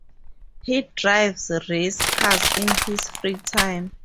He drives racecars in his free time.